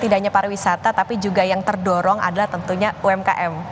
tidak hanya pariwisata tapi juga yang terdorong adalah tentunya umkm